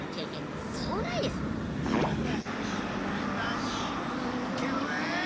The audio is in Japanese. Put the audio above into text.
ないけどねえ！